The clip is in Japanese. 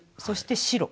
そして白。